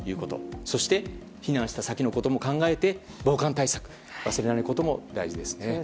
そして避難した先のことも考えて防寒対策を忘れないことも大事ですね。